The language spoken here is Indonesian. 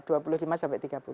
dua puluh lima sampai tiga puluh